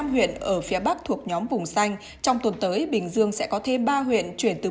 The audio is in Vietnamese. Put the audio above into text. năm huyện ở phía bắc thuộc nhóm vùng xanh trong tuần tới bình dương sẽ có thêm ba huyện chuyển từ